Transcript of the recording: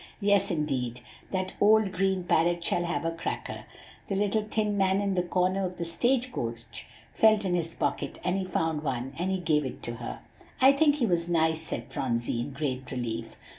"Yes indeed, that old green parrot shall have a cracker. The little thin man in the corner of the stage coach felt in his pocket, and he found one, and he gave it to her." "I think he was nice," said Phronsie, in great relief.